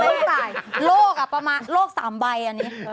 เดี๋ยวแม่โลกอะประมาณโลกสามใบอันนี้